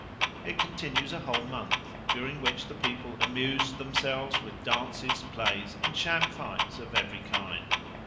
It continues a whole month, during which the people amuse themselves with dances, plays, and sham fights of every kind.